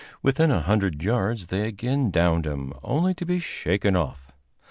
Within a hundred yards they again downed him, only to be shaken off.